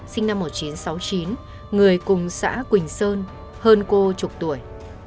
sinh năm một nghìn chín trăm sáu mươi chín người cùng xã quỳnh sơn hơn cô chục tuổi